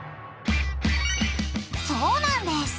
そうなんです！